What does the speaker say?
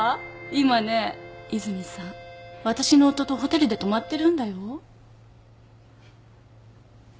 今ね和泉さん私の夫とホテルで泊まってるんだよ。